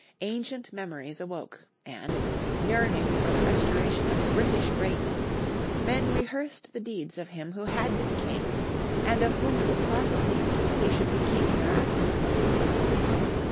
Ancient memories awoke, and, yearning for the restoration of British greatness, men rehearsed the deeds of him who had been king, and of whom it was prophesied that he should be king hereafter.